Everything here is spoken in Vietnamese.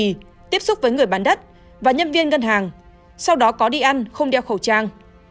khi tiếp xúc với người bán đất và nhân viên ngân hàng sau đó có đi ăn không đeo khẩu trang